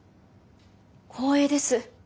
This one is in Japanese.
光栄です。